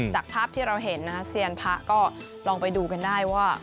จากภาพที่เราเห็นนะฮะเซียนพระก็ลองไปดูกันได้ว่า